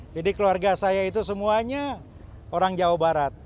jadi keluarga saya itu semuanya orang jawa barat